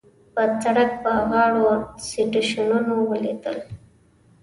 په سړک په غاړو سټیشنونه وليدل.